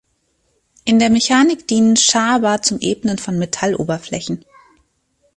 In der Mechanik dienen Schaber zum Ebnen von Metalloberflächen.